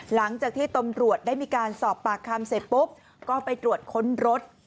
หลังจากที่ตำรวจได้มีการสอบปากคำเสร็จปุ๊บก็ไปตรวจค้นรถ